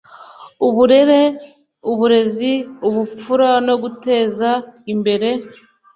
Uburere uburezi ubupfura no guteza imbere